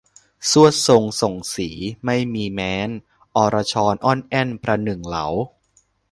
ทรวดทรงส่งศรีไม่มีแม้น อรชรอ้อนแอ้นประหนึ่งเหลา